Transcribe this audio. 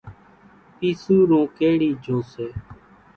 پِيسُورون ڪيڙِي جھون سي۔